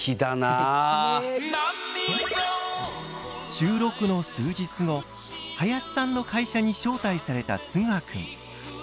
収録の数日後林さんの会社に招待されたつぐはくん。